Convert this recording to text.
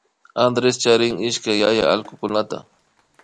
Andrés charin ishkay yaya allkukunata